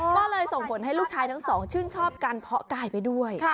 ก็เลยส่งผลให้ลูกชายทั้งสองชื่นชอบการเพาะกายไปด้วย